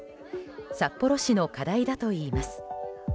札幌市の課題だといいます。